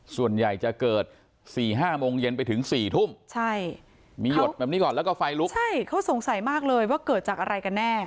ส่วนใหญ่จะเกิดสี่ห้าโมงเย็นไปถึง๔ทุ่มใช่มีหยดแบบนี้ก่อนแล้วก็ไฟลุกใช่เขาสงสัยมากเลยว่าเกิดจากอะไรกันแน่